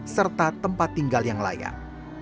serta tempat tinggal yang layak